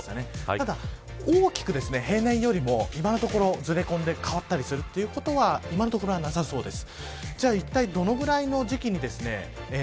ただ大きく、平年よりも今のところずれ込んで変わったりするということは今のところはなさそうです。